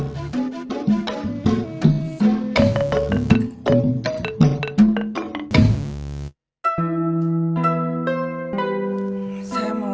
kalo ditanya dijawab dong